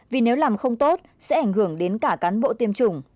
vì nếu làm không tốt sẽ ảnh hưởng đến cả cán bộ tiêm chủng